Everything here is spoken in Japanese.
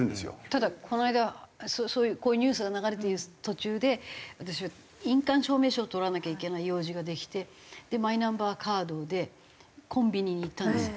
ただこの間こういうニュースが流れている途中で私印鑑証明書を取らなきゃいけない用事ができてマイナンバーカードでコンビニに行ったんですよ